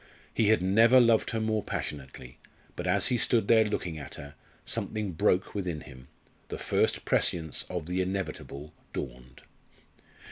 He had never loved her more passionately but as he stood there looking at her, something broke within him, the first prescience of the inevitable dawned.